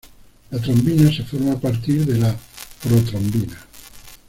La trombina se forma a partir de la protrombina.